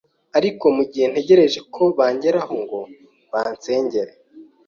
ariko mu gihe ntegereje ko bangeraho ngo bansengere